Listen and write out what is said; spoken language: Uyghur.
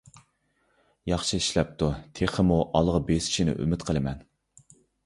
ياخشى ئىشلەپتۇ، تېخىمۇ ئالغا بېسىشىنى ئۈمىد قىلىمەن.